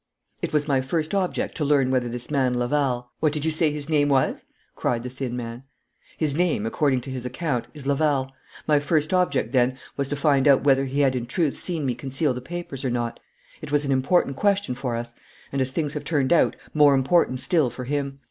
'It was my first object to learn whether this man Laval ' 'What did you say his name was?' cried the thin man. 'His name, according to his account, is Laval. My first object then was to find out whether he had in truth seen me conceal the papers or not. It was an important question for us, and, as things have turned out, more important still for him.